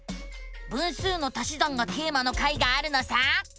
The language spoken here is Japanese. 「分数の足し算」がテーマの回があるのさ！